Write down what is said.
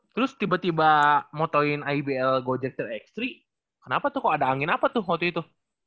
terus tiba tiba motoin ibl gojected x tiga kenapa tuh kok ada angin apa tuh waktu itu